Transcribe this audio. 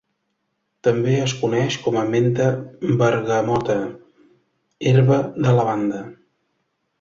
També es coneix com a menta bergamota, herba de lavanda.